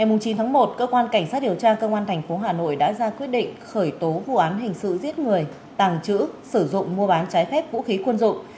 ngày chín tháng một cơ quan cảnh sát điều tra công an tp hà nội đã ra quyết định khởi tố vụ án hình sự giết người tàng trữ sử dụng mua bán trái phép vũ khí quân dụng